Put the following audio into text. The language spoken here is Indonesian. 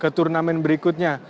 ke turnamen berikutnya